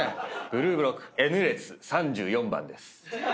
ブルーブロックＮ列３４番です。